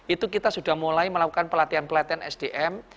itu kita sudah mulai melakukan pelatihan pelatihan sdm